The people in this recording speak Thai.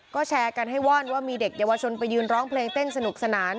ก็แชร์กันให้ว่อนว่ามีเด็กเยาวชนไปยืนร้องเพลงเต้นสนุกสนาน